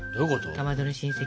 かまどの親戚。